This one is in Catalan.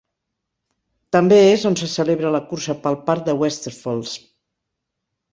També és on se celebra la cursa pel parc de Westerfolds.